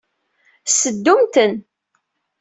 Seddumt-ten.